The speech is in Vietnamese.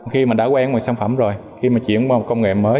khi mà đã quen một sản phẩm rồi khi mà chuyển qua một công nghệ mới